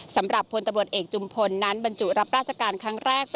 สำหรับพลตำรวจเอกจุมพลนั้นบรรจุรับราชการครั้งแรก